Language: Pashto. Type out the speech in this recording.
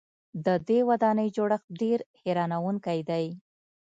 د دې ودانۍ جوړښت ډېر حیرانوونکی دی.